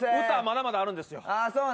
歌はまだまだあるんですよ。